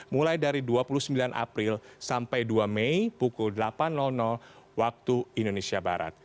mulai dari dua puluh sembilan april sampai dua mei pukul delapan waktu indonesia barat